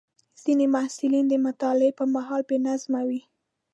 ځینې محصلین د مطالعې پر مهال بې نظم وي.